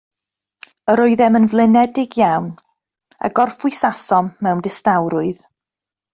Yr oeddem yn flinedig iawn, a gorffwysasom mewn distawrwydd.